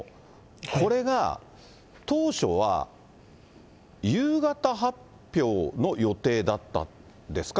これが、当初は夕方発表の予定だったんですか？